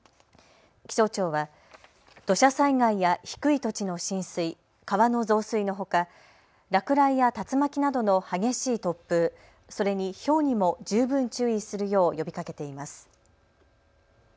気象庁は土砂災害や低い土地の浸水、川の増水のほか落雷や竜巻などの激しい突風、それに、ひょうにも十分注意するよう呼びかけています。